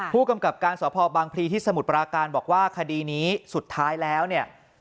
ผู้กำกับการสพบางพลีที่สมุทรปราการบอกว่าคดีนี้สุดท้ายแล้วเนี่ย